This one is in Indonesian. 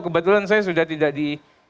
kebetulan saya sudah tidak di